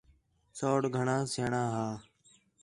سَوڑ گھݨاں سیاݨاں ہا